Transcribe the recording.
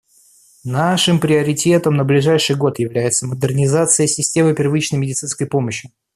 Нашим приоритетом на ближайший год является модернизация системы первичной медицинской помощи.